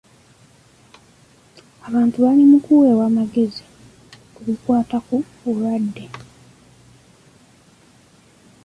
Abantu bali mu kuweebwa magezi ku bikwata ku bulwadde.